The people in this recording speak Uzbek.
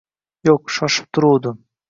Yo`q, shoshib turuvdim